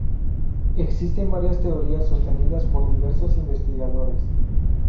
Existen varias teorías sostenidas por diversos investigadores.